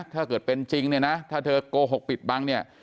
ถ้าเกิดเป็นจริงเนี่ยนะถ้าเธอโกหกปิดบังเนี่ย